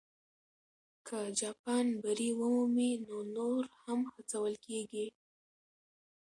که جاپان بری ومومي، نو نور هم هڅول کېږي.